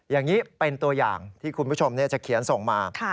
อย่างนี้เป็นตัวอย่างที่คุณผู้ชมจะเขียนส่งมา